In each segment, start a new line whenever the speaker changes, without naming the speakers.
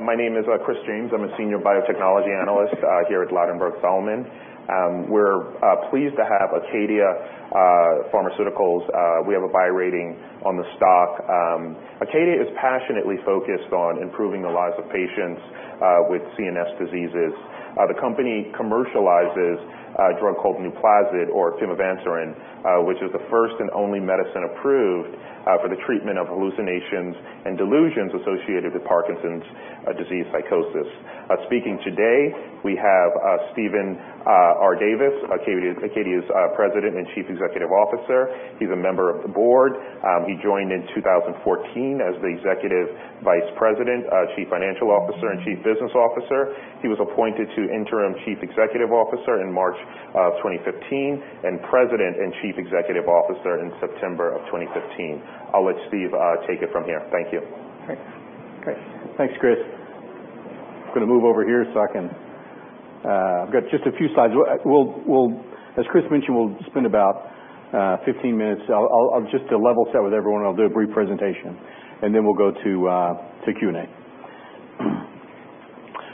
My name is Chris James. I'm a senior biotechnology analyst here at Ladenburg Thalmann. We're pleased to have ACADIA Pharmaceuticals. We have a buy rating on the stock. ACADIA is passionately focused on improving the lives of patients with CNS diseases. The company commercializes a drug called NUPLAZID, or pimavanserin, which is the first and only medicine approved for the treatment of hallucinations and delusions associated with Parkinson's disease psychosis. Speaking today, we have Steven R. Davis, ACADIA's President and Chief Executive Officer. He's a member of the board. He joined in 2014 as the Executive Vice President, Chief Financial Officer, and Chief Business Officer. He was appointed to Interim Chief Executive Officer in March of 2015, and President and Chief Executive Officer in September of 2015. I'll let Steve take it from here. Thank you.
Great. Thanks, Chris. I'm going to move over here so I've got just a few slides. As Chris mentioned, we'll spend about 15 minutes. Just to level set with everyone, I'll do a brief presentation, then we'll go to Q&A.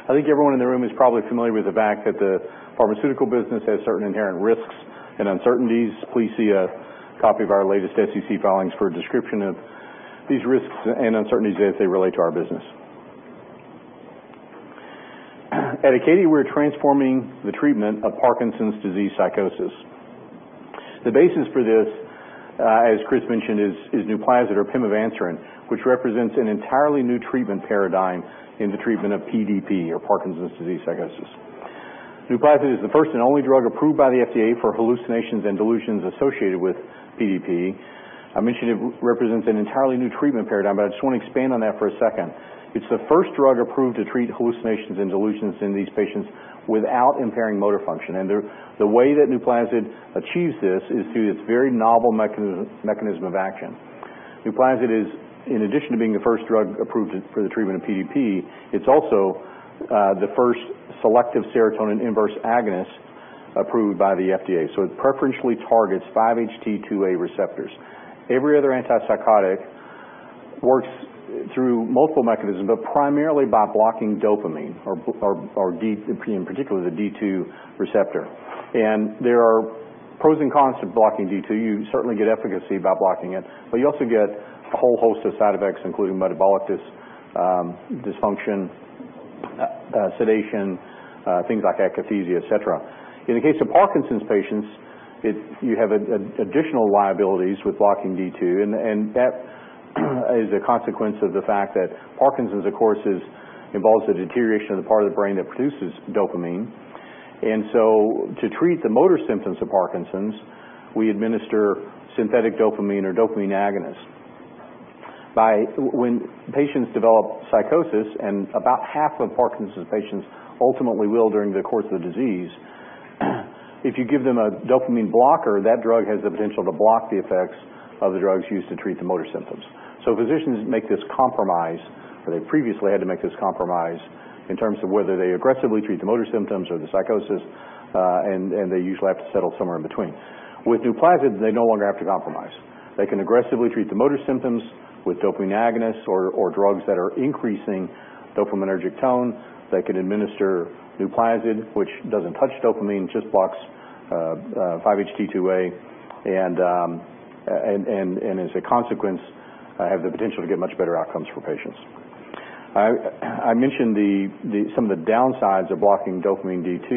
I think everyone in the room is probably familiar with the fact that the pharmaceutical business has certain inherent risks and uncertainties. Please see a copy of our latest SEC filings for a description of these risks and uncertainties as they relate to our business. At ACADIA, we're transforming the treatment of Parkinson's disease psychosis. The basis for this, as Chris mentioned, is NUPLAZID, or pimavanserin, which represents an entirely new treatment paradigm in the treatment of PDP, or Parkinson's disease psychosis. NUPLAZID is the first and only drug approved by the FDA for hallucinations and delusions associated with PDP. I mentioned it represents an entirely new treatment paradigm, I just want to expand on that for a second. It's the first drug approved to treat hallucinations and delusions in these patients without impairing motor function. The way that NUPLAZID achieves this is through its very novel mechanism of action. NUPLAZID is, in addition to being the first drug approved for the treatment of PDP, it's also the first selective serotonin inverse agonist approved by the FDA. It preferentially targets 5-HT2A receptors. Every other antipsychotic works through multiple mechanisms, but primarily by blocking dopamine or, in particular, the D2 receptor. There are pros and cons to blocking D2. You certainly get efficacy by blocking it, but you also get a whole host of side effects, including metabolic dysfunction, sedation, things like akathisia, et cetera. In the case of Parkinson's patients, you have additional liabilities with blocking D2, and that is a consequence of the fact that Parkinson's, of course, involves the deterioration of the part of the brain that produces dopamine. To treat the motor symptoms of Parkinson's, we administer synthetic dopamine or dopamine agonists. When patients develop psychosis, and about half of Parkinson's patients ultimately will during the course of the disease, if you give them a dopamine blocker, that drug has the potential to block the effects of the drugs used to treat the motor symptoms. Physicians make this compromise, or they previously had to make this compromise, in terms of whether they aggressively treat the motor symptoms or the psychosis. They usually have to settle somewhere in between. With NUPLAZID, they no longer have to compromise. They can aggressively treat the motor symptoms with dopamine agonists or drugs that are increasing dopaminergic tone. They can administer NUPLAZID, which doesn't touch dopamine, just blocks 5-HT2A, and as a consequence, have the potential to get much better outcomes for patients. I mentioned some of the downsides of blocking dopamine D2,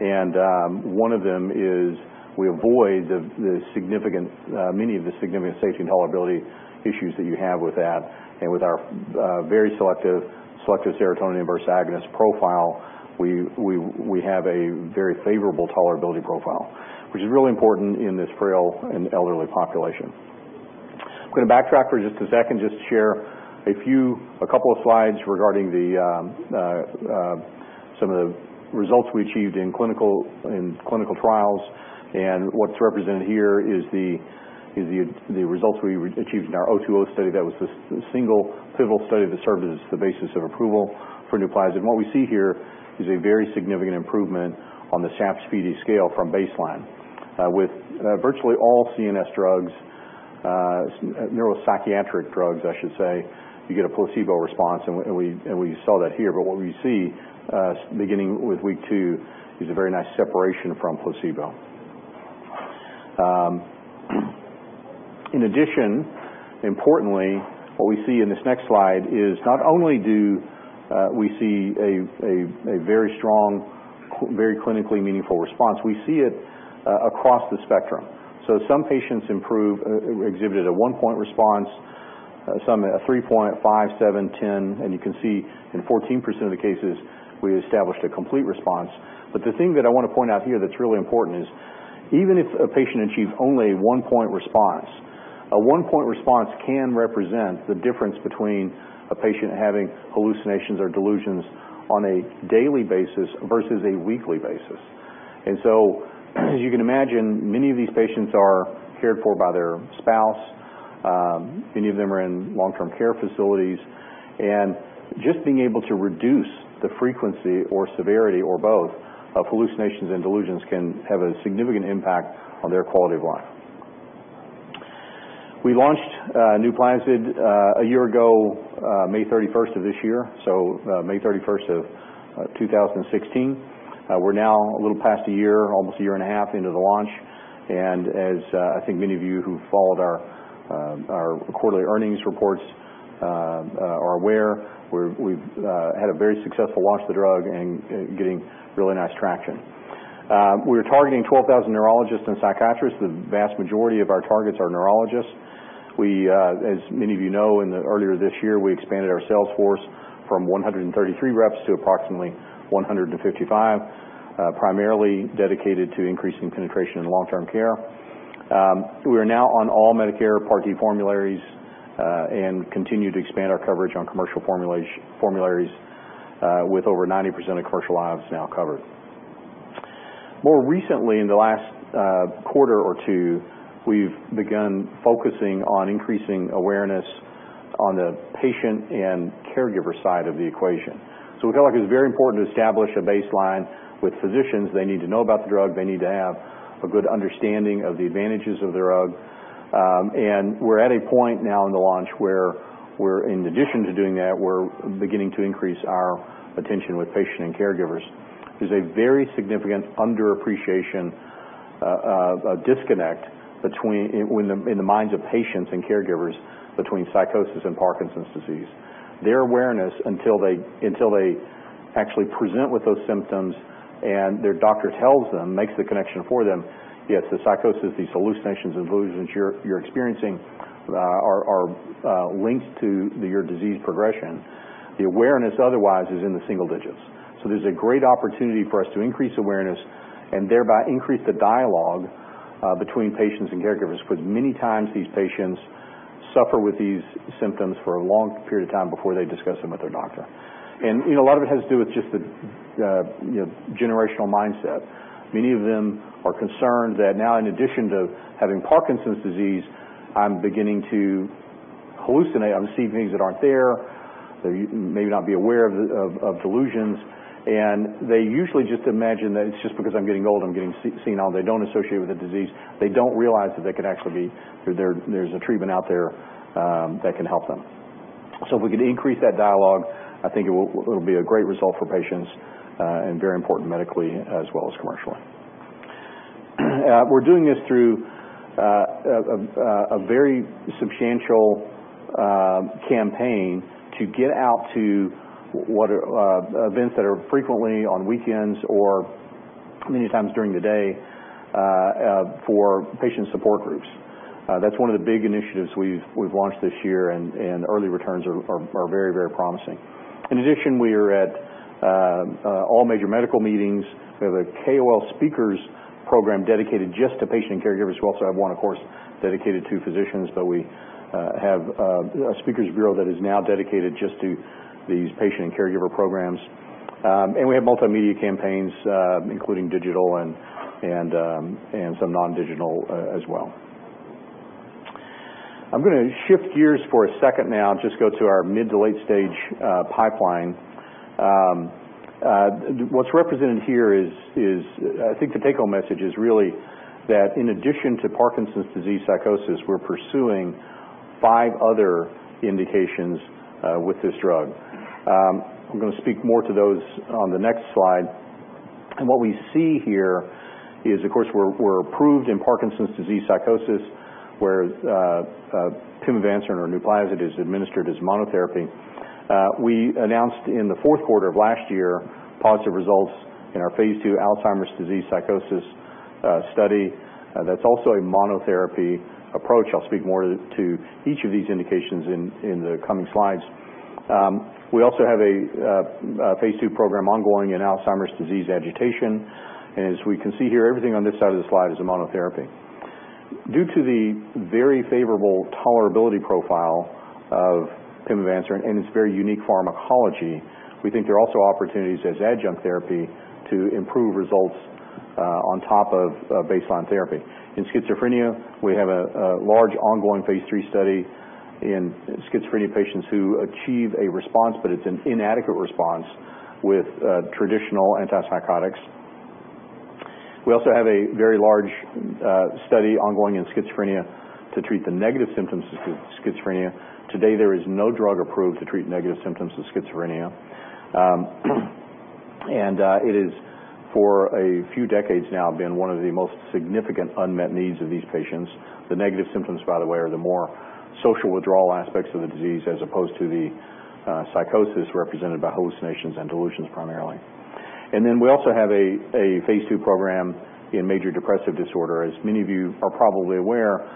and one of them is we avoid many of the significant safety and tolerability issues that you have with that. With our very selective serotonin inverse agonist profile, we have a very favorable tolerability profile, which is really important in this frail and elderly population. I'm going to backtrack for just a sec and just share a couple of slides regarding some of the results we achieved in clinical trials. What's represented here is the results we achieved in our -020 Study that was the single pivotal study that served as the basis of approval for NUPLAZID. What we see here is a very significant improvement on the SAPS-PD scale from baseline. With virtually all CNS drugs, neuropsychiatric drugs, I should say, you get a placebo response, and we saw that here. What we see, beginning with week two, is a very nice separation from placebo. In addition, importantly, what we see in this next slide is not only do we see a very strong, very clinically meaningful response, we see it across the spectrum. Some patients improve, exhibited a one-point response. Some at a three-point, five, seven, 10. You can see in 14% of the cases, we established a complete response. The thing that I want to point out here that's really important is even if a patient achieves only a one-point response, a one-point response can represent the difference between a patient having hallucinations or delusions on a daily basis versus a weekly basis. As you can imagine, many of these patients are cared for by their spouse. Many of them are in long-term care facilities. Just being able to reduce the frequency or severity, or both, of hallucinations and delusions can have a significant impact on their quality of life. We launched NUPLAZID a year ago, May 31st of this year. So May 31st of 2016. We're now a little past a year, almost a year and a half into the launch, as I think many of you who followed our quarterly earnings reports are aware, we've had a very successful launch of the drug and getting really nice traction. We're targeting 12,000 neurologists and psychiatrists. The vast majority of our targets are neurologists. As many of you know, earlier this year, we expanded our sales force from 133 reps to approximately 155, primarily dedicated to increasing penetration in long-term care. We are now on all Medicare Part D formularies and continue to expand our coverage on commercial formularies with over 90% of commercial lives now covered. More recently in the last quarter or two, we've begun focusing on increasing awareness on the patient and caregiver side of the equation. We feel like it's very important to establish a baseline with physicians. They need to know about the drug. They need to have a good understanding of the advantages of the drug. We're at a point now in the launch where in addition to doing that, we're beginning to increase our attention with patients and caregivers. There's a very significant under appreciation of disconnect in the minds of patients and caregivers between psychosis and Parkinson's disease. Their awareness until they actually present with those symptoms and their doctor tells them, makes the connection for them, "Yes, the psychosis, these hallucinations, and delusions you're experiencing are linked to your disease progression." The awareness otherwise is in the single digits. There's a great opportunity for us to increase awareness and thereby increase the dialogue between patients and caregivers. Because many times these patients suffer with these symptoms for a long period of time before they discuss them with their doctor. A lot of it has to do with just the generational mindset. Many of them are concerned that now in addition to having Parkinson's disease, "I'm beginning to hallucinate. I'm seeing things that aren't there." They may not be aware of delusions, and they usually just imagine that it's just because I'm getting old, I'm getting senile. They don't associate with the disease. They don't realize that there's a treatment out there that can help them. If we could increase that dialogue, I think it'll be a great result for patients, and very important medically as well as commercially. We're doing this through a very substantial campaign to get out to events that are frequently on weekends or many times during the day for patient support groups. That's one of the big initiatives we've launched this year and early returns are very promising. In addition, we are at all major medical meetings. We have a KOL speakers program dedicated just to patient and caregivers. We also have one, of course, dedicated to physicians, but we have a speakers bureau that is now dedicated just to these patient and caregiver programs. We have multimedia campaigns including digital and some non-digital as well. I'm going to shift gears for a second now and just go to our mid to late-stage pipeline. What's represented here is, I think the take home message is really that in addition to Parkinson's disease psychosis, we're pursuing five other indications with this drug. I'm going to speak more to those on the next slide. What we see here is, of course, we're approved in Parkinson's disease psychosis, where pimavanserin or NUPLAZID is administered as monotherapy. We announced in the fourth quarter of last year positive results in our phase II Alzheimer's disease psychosis study. That's also a monotherapy approach. I'll speak more to each of these indications in the coming slides. We also have a phase II program ongoing in Alzheimer's disease agitation, and as we can see here, everything on this side of the slide is a monotherapy. Due to the very favorable tolerability profile of pimavanserin and its very unique pharmacology, we think there are also opportunities as adjunct therapy to improve results on top of baseline therapy. In schizophrenia, we have a large ongoing phase III study in schizophrenia patients who achieve a response, but it's an inadequate response with traditional antipsychotics. We also have a very large study ongoing in schizophrenia to treat the negative symptoms of schizophrenia. Today, there is no drug approved to treat negative symptoms of schizophrenia. It is, for a few decades now, been one of the most significant unmet needs of these patients. The negative symptoms, by the way, are the more social withdrawal aspects of the disease as opposed to the psychosis represented by hallucinations and delusions primarily. We also have a phase II program in major depressive disorder. As many of you are probably aware,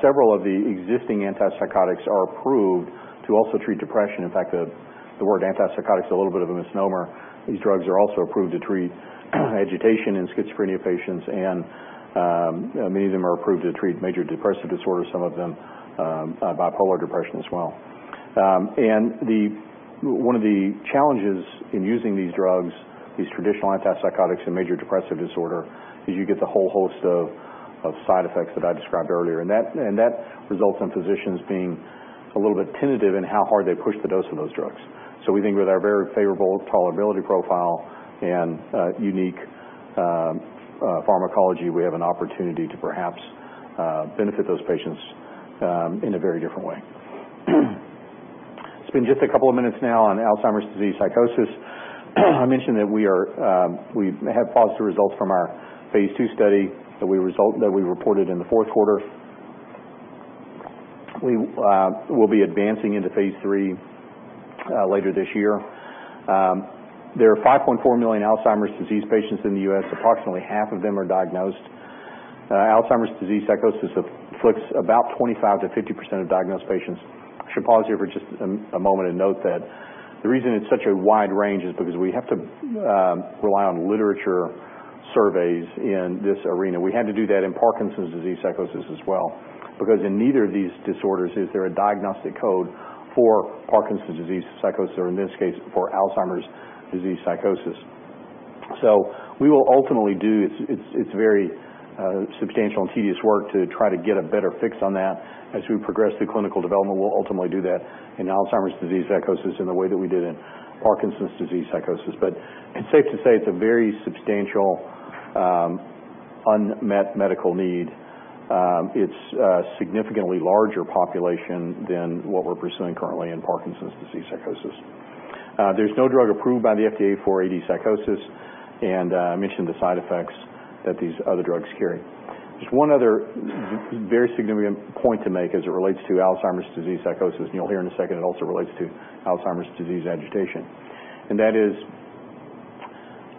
several of the existing antipsychotics are approved to also treat depression. In fact, the word antipsychotic is a little bit of a misnomer. These drugs are also approved to treat agitation in schizophrenia patients and many of them are approved to treat major depressive disorder, some of them bipolar depression as well. One of the challenges in using these drugs, these traditional antipsychotics in major depressive disorder, is you get the whole host of side effects that I described earlier. That results in physicians being a little bit tentative in how hard they push the dose of those drugs. We think with our very favorable tolerability profile and unique pharmacology, we have an opportunity to perhaps benefit those patients in a very different way. Spend just a couple of minutes now on Alzheimer's disease psychosis. I mentioned that we have positive results from our phase II study that we reported in the fourth quarter. We will be advancing into phase III later this year. There are 5.4 million Alzheimer's disease patients in the U.S., approximately half of them are diagnosed. Alzheimer's disease psychosis afflicts about 25%-50% of diagnosed patients. Should pause here for just a moment and note that the reason it's such a wide range is because we have to rely on literature surveys in this arena. We had to do that in Parkinson's disease psychosis as well, because in neither of these disorders is there a diagnostic code for Parkinson's disease psychosis or in this case, for Alzheimer's disease psychosis. We will ultimately do, it's very substantial and tedious work to try to get a better fix on that. As we progress through clinical development, we'll ultimately do that in Alzheimer's disease psychosis in the way that we did in Parkinson's disease psychosis. It's safe to say it's a very substantial unmet medical need. It's a significantly larger population than what we're pursuing currently in Parkinson's disease psychosis. There's no drug approved by the FDA for AD psychosis, and I mentioned the side effects that these other drugs carry. Just one other very significant point to make as it relates to Alzheimer's disease psychosis, and you'll hear in a second, it also relates to Alzheimer's disease agitation. That is,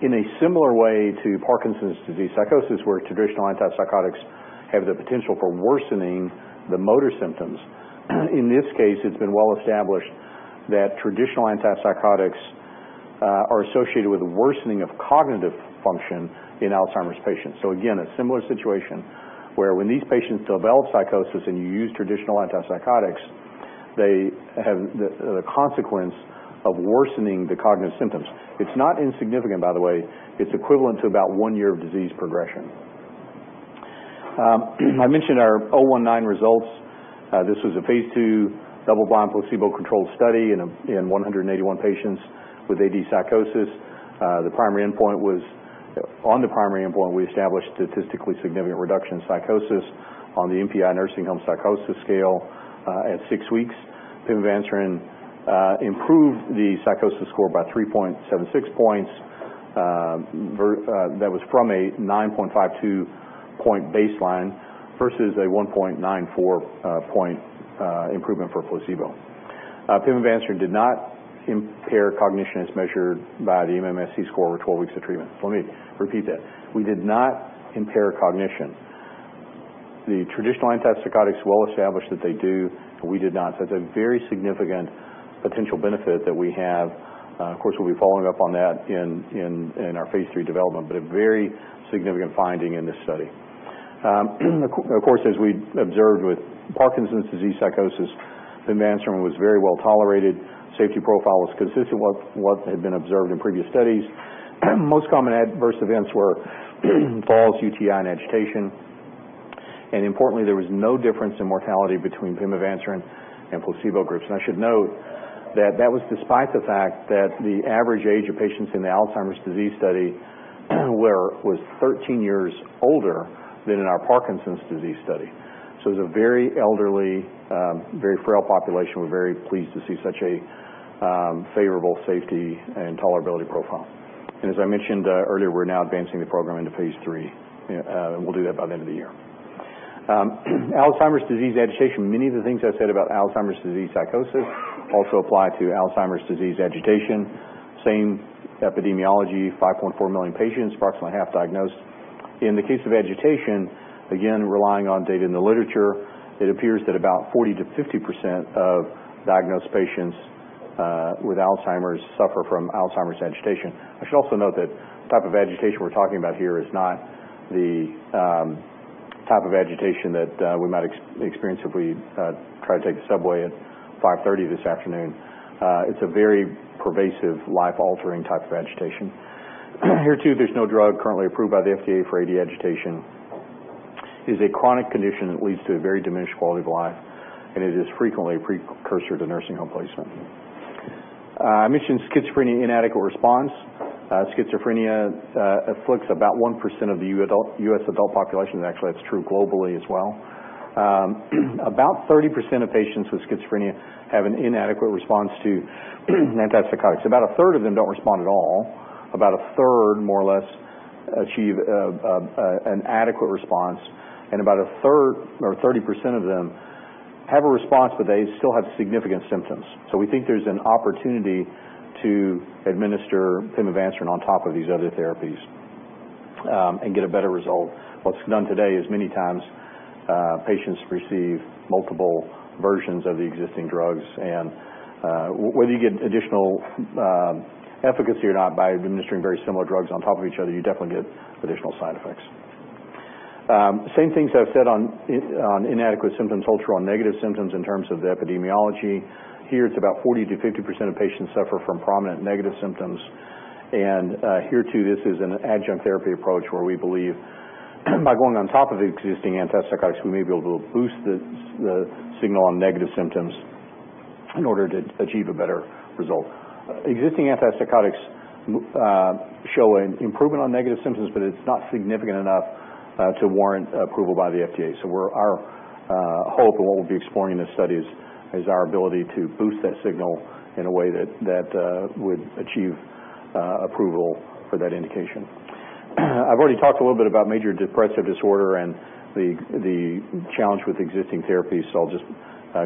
in a similar way to Parkinson's disease psychosis, where traditional antipsychotics have the potential for worsening the motor symptoms, in this case, it's been well established that traditional antipsychotics are associated with worsening of cognitive function in Alzheimer's patients. Again, a similar situation where when these patients develop psychosis and you use traditional antipsychotics, they have the consequence of worsening the cognitive symptoms. It's not insignificant, by the way. It's equivalent to about one year of disease progression. I mentioned our -019 results. This was a phase II double-blind placebo-controlled study in 181 patients with AD psychosis. On the primary endpoint, we established statistically significant reduction in psychosis on the NPI nursing home psychosis scale at six weeks. Pimavanserin improved the psychosis score by 3.76 points. That was from a 9.52-point baseline versus a 1.94-point improvement for placebo. Pimavanserin did not impair cognition as measured by the MMSE score over 12 weeks of treatment. Let me repeat that. We did not impair cognition. The traditional antipsychotics well established that they do, but we did not. That's a very significant potential benefit that we have. Of course, we'll be following up on that in our phase III development, but a very significant finding in this study. Of course, as we observed with Parkinson's disease psychosis, pimavanserin was very well-tolerated. Safety profile was consistent with what had been observed in previous studies. Most common adverse events were falls, UTI, and agitation. Importantly, there was no difference in mortality between pimavanserin and placebo groups. I should note that that was despite the fact that the average age of patients in the Alzheimer's disease study was 13 years older than in our Parkinson's disease study. It was a very elderly, very frail population. We're very pleased to see such a favorable safety and tolerability profile. As I mentioned earlier, we're now advancing the program into phase III. We'll do that by the end of the year. Alzheimer's disease agitation. Many of the things I've said about Alzheimer's disease psychosis also apply to Alzheimer's disease agitation. Same epidemiology, 5.4 million patients, approximately half diagnosed. In the case of agitation, again, relying on data in the literature, it appears that about 40%-50% of diagnosed patients with Alzheimer's suffer from Alzheimer's agitation. I should also note that the type of agitation we're talking about here is not the type of agitation that we might experience if we try to take the subway at 5:30 P.M. this afternoon. It's a very pervasive, life-altering type of agitation. Here too, there's no drug currently approved by the FDA for AD agitation. It is a chronic condition that leads to a very diminished quality of life, and it is frequently a precursor to nursing home placement. I mentioned schizophrenia, inadequate response. Schizophrenia afflicts about 1% of the U.S. adult population. Actually, that's true globally as well. About 30% of patients with schizophrenia have an inadequate response to antipsychotics. About a third of them don't respond at all. About a third, more or less, achieve an adequate response. About a third or 30% of them have a response, but they still have significant symptoms. We think there's an opportunity to administer pimavanserin on top of these other therapies and get a better result. What's done today is many times, patients receive multiple versions of the existing drugs. Whether you get additional efficacy or not by administering very similar drugs on top of each other, you definitely get additional side effects. Same things I've said on inadequate symptoms hold true on negative symptoms in terms of the epidemiology. Here, it's about 40%-50% of patients suffer from prominent negative symptoms. Here too, this is an adjunct therapy approach where we believe by going on top of the existing antipsychotics, we may be able to boost the signal on negative symptoms in order to achieve a better result. Existing antipsychotics show an improvement on negative symptoms, but it's not significant enough to warrant approval by the FDA. Our hope and what we'll be exploring in this study is our ability to boost that signal in a way that would achieve approval for that indication. I've already talked a little bit about major depressive disorder and the challenge with existing therapies. I'll just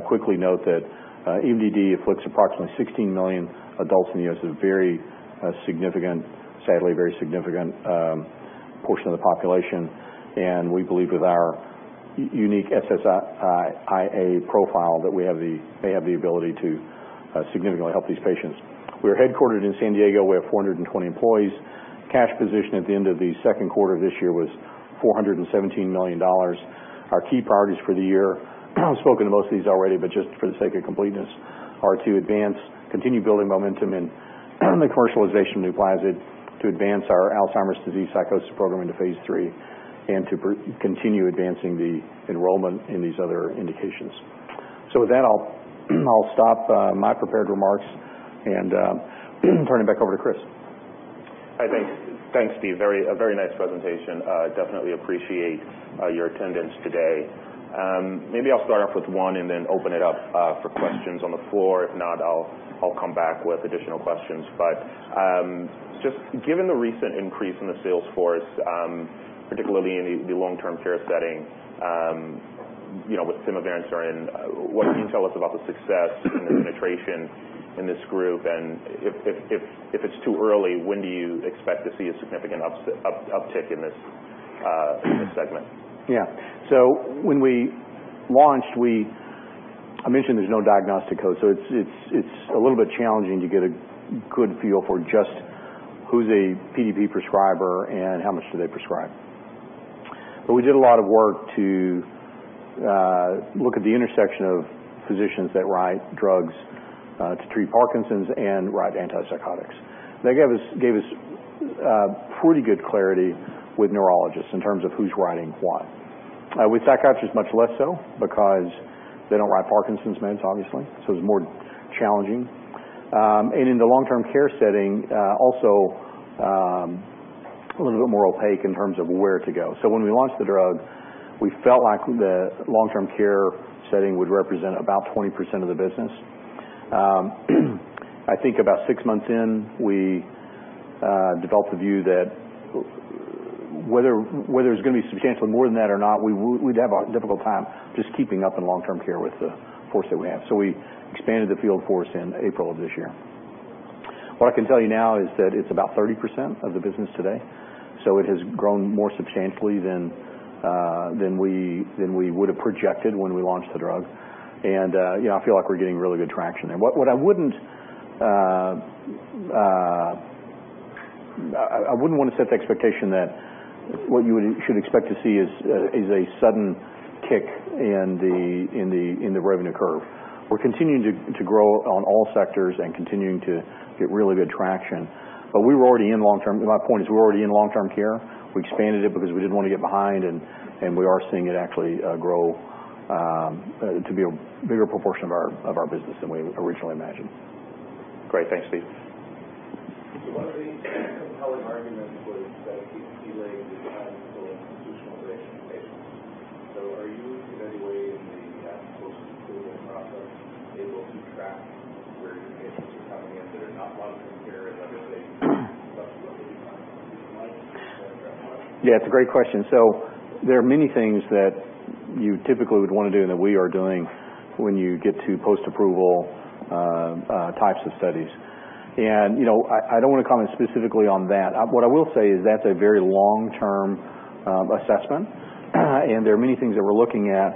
quickly note that MDD afflicts approximately 16 million adults in the U.S. It's a sadly very significant portion of the population, and we believe with our unique SSIA profile, that they have the ability to significantly help these patients. We are headquartered in San Diego. We have 420 employees. Cash position at the end of the second quarter this year was $417 million. Our key priorities for the year, I've spoken to most of these already, but just for the sake of completeness, are to advance, continue building momentum in the commercialization of NUPLAZID, to advance our Alzheimer's disease psychosis program into phase III, and to continue advancing the enrollment in these other indications. With that, I'll stop my prepared remarks and turn it back over to Chris.
Thanks, Steve. A very nice presentation. Definitely appreciate your attendance today. Maybe I'll start off with one and then open it up for questions on the floor. If not, I'll come back with additional questions. But just given the recent increase in the sales force, particularly in the long-term care setting with pimavanserin, what can you tell us about the success and the penetration in this group? And if it's too early, when do you expect to see a significant uptick in this segment?
When we launched, I mentioned there's no diagnostic code, so it's a little bit challenging to get a good feel for just who's a PDP prescriber and how much do they prescribe. But we did a lot of work to look at the intersection of physicians that write drugs to treat Parkinson's and write antipsychotics. That gave us pretty good clarity with neurologists in terms of who's writing what. With psychiatrists, much less so because they don't write Parkinson's meds, obviously, so it's more challenging. And in the long-term care setting, also a little bit more opaque in terms of where to go. When we launched the drug, we felt like the long-term care setting would represent about 20% of the business. I think about six months in, we developed the view that whether it's going to be substantially more than that or not, we'd have a difficult time just keeping up in long-term care with the force that we have. We expanded the field force in April of this year. What I can tell you now is that it's about 30% of the business today. It has grown more substantially than we would have projected when we launched the drug. I feel like we're getting really good traction there. What I wouldn't want to set the expectation that what you should expect to see is a sudden kick in the revenue curve. We're continuing to grow on all sectors and continuing to get really good traction. My point is we're already in long-term care. We expanded it because we didn't want to get behind, we are seeing it actually grow to be a bigger proportion of our business than we originally imagined.
Great. Thanks, Steve.
One of the compelling arguments was that it keeps delaying the time till institutionalization of patients. Are you in any way in the post-approval process able to track where your patients are coming in that are not long-term care and other things, plus what they become over time?
Yeah, it's a great question. There are many things that you typically would want to do and that we are doing when you get to post-approval types of studies. I don't want to comment specifically on that. What I will say is that's a very long-term assessment, and there are many things that we're looking at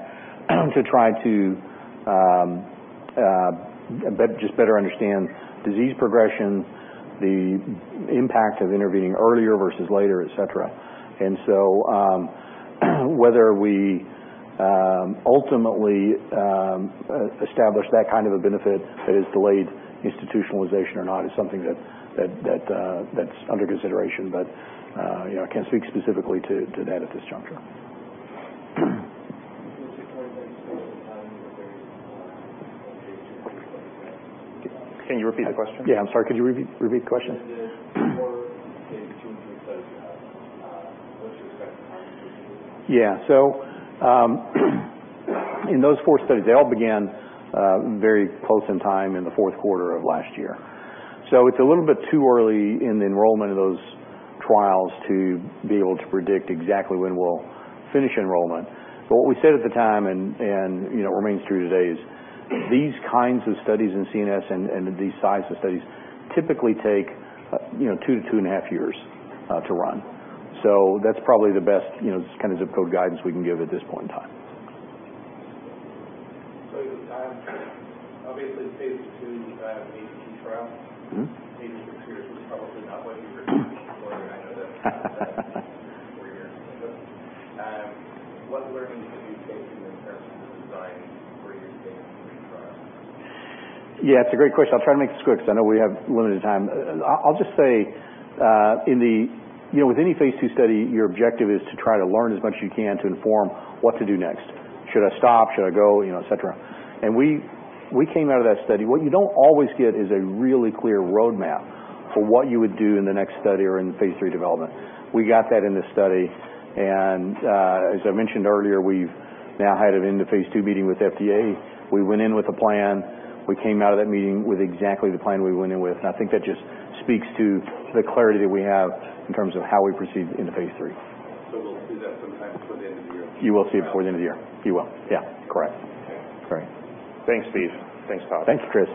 to try to just better understand disease progression, the impact of intervening earlier versus later, et cetera. Whether we ultimately establish that kind of a benefit that is delayed institutionalization or not is something that's under consideration. I can't speak specifically to that at this juncture.
With the four phase II studies that you have, what's your expected time to enrollment?
Can you repeat the question?
Yeah, I'm sorry. Could you repeat the question?
With the four phase II studies you have, what's your expected time to enrollment?
Yeah. In those four studies, they all began very close in time in the fourth quarter of last year. It's a little bit too early in the enrollment of those trials to be able to predict exactly when we'll finish enrollment. But what we said at the time and remains true today is these kinds of studies in CNS and these sizes of studies typically take two to two and a half years to run. That's probably the best kind of zip code guidance we can give at this point in time.
Obviously phase II ADP trial, agency appearance was probably not what you predicted. I know that's probably two to four years. What learnings have you taken in terms of the design for your phase III trial?
Yeah, it's a great question. I'll try to make this quick because I know we have limited time. I'll just say with any phase II study, your objective is to try to learn as much as you can to inform what to do next. Should I stop? Should I go? Et cetera. We came out of that study. What you don't always get is a really clear roadmap for what you would do in the next study or in phase III development. We got that in this study, and as I mentioned earlier, we've now had an end-of-phase II meeting with FDA. We went in with a plan. We came out of that meeting with exactly the plan we went in with, and I think that just speaks to the clarity that we have in terms of how we proceed into phase III.
We'll see that sometime before the end of the year.
You will see it before the end of the year. You will. Yeah. Correct.
Okay.
Great.
Thanks, Steve. Thanks, Kyle.
Thanks, Chris.